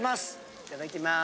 いただきます。